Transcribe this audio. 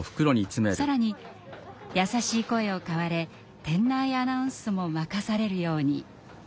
更に優しい声を買われ店内アナウンスも任されるように。